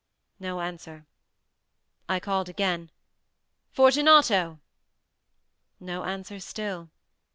No answer. I called again— "Fortunato!" No answer still.